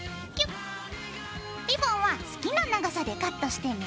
リボンは好きな長さでカットしてね。